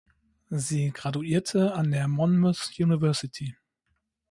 Sie graduierte an der Monmouth University.